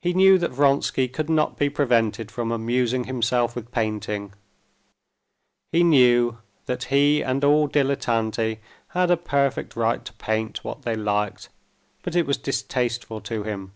He knew that Vronsky could not be prevented from amusing himself with painting; he knew that he and all dilettanti had a perfect right to paint what they liked, but it was distasteful to him.